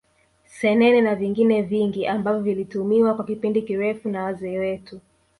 Senene na vingine vingi ambavyo vilitumiwa kwa kipindi kirefu na wazee wetu